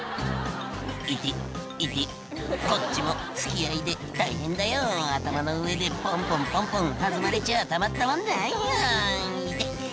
「痛っ痛っこっちも付き合いで大変だよ」「頭の上でポンポンポンポン弾まれちゃたまったもんじゃないよ痛っ痛っ」